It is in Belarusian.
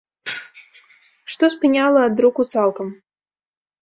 Што спыняла ад друку цалкам?